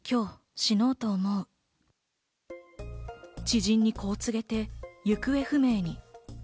知人にこう告げて、行方不明に。